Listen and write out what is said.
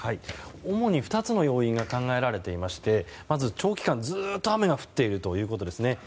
主に２つの要因が考えられていましてまず長期間ずっと雨が降っているということですね。